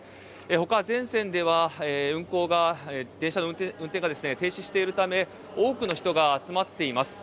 ほか全線では電車の運転が停止しているため多くの人が集まっています。